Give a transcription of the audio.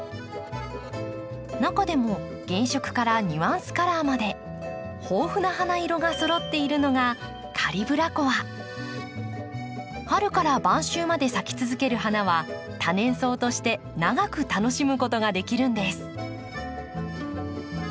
中でも原色からニュアンスカラーまで豊富な花色がそろっているのが春から晩秋まで咲き続ける花は多年草として長く楽しむことができるんです。